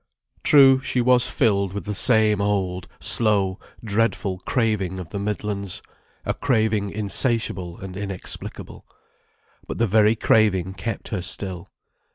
True, she was filled with the same old, slow, dreadful craving of the Midlands: a craving insatiable and inexplicable. But the very craving kept her still.